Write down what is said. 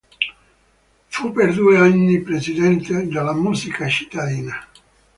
Fu per due anni presidente della Musica Cittadina.